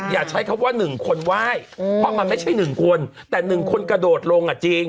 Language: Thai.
อย่าใช้คำว่าหนึ่งคนไหว้เพราะมันไม่ใช่หนึ่งคนแต่หนึ่งคนกระโดดลงอ่ะจริง